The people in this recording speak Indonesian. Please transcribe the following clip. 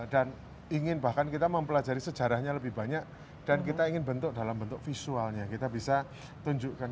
dan ingin bahkan kita mempelajari sejarahnya lebih banyak dan kita ingin bentuk dalam bentuk visualnya kita bisa tunjukkan